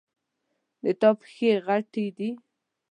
د تا پښې غټي دي